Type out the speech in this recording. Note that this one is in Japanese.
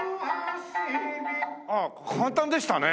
あっ簡単でしたね。